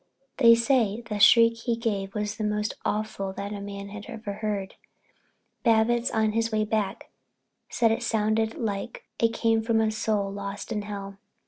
They say the shriek he gave was the most awful that man ever heard. Babbitts, who was on his way back, said it sounded like it came from a lost soul in Hell.